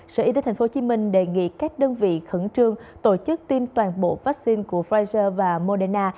sở y tế tp hcm đề nghị các đơn vị khẩn trương tổ chức tiêm toàn bộ vaccine của pfizer và moderna